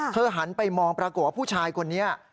หันไปมองปรากฏว่าผู้ชายคนนี้